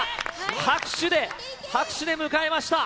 拍手で、拍手で迎えました。